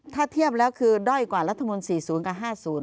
ถ้าเทียบแล้วคือด้อยกว่ารัฐมนตร์๔๐กับ๕๐